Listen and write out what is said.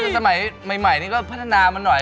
สมัยใหม่นี่ก็พัฒนามาหน่อย